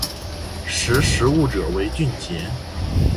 识时务者为俊杰